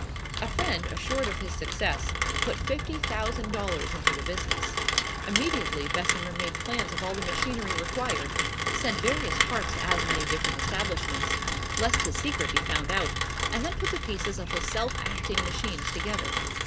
A friend, assured of his success, put fifty thousand dollars into the business. Immediately Bessemer made plans of all the machinery required, sent various parts to as many different establishments, lest his secret be found out, and then put the pieces of his self acting machines together.